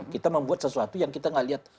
kita membuat sesuatu yang kita gak lihat